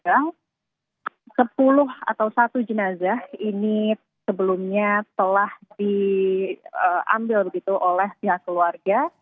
jadi sepuluh atau satu jenazah ini sebelumnya telah diambil begitu oleh pihak keluarga